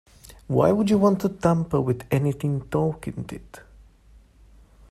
Why would you want to tamper with anything Tolkien did?